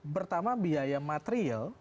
pertama biaya material